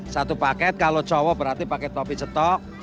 satu paket kalau cowok berarti pakai topi cetok